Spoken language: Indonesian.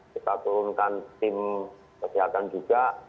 kita turunkan tim kesehatan juga